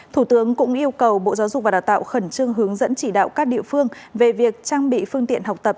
thủ tướng cũng yêu cầu bộ giáo dục và đào tạo khẩn trương hướng dẫn chỉ đạo các địa phương về việc trang bị phương tiện học tập